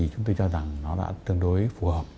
chúng tôi cho rằng nó đã tương đối phù hợp